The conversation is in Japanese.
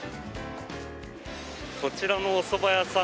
こちらのおそば屋さん